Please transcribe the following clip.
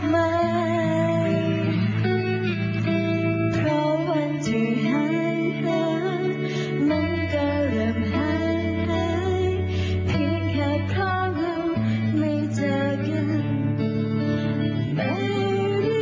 แม้เดี๋ยวกล้องให้กลับมาเพราะว่าคลักใสและเอาไปทุกนั้น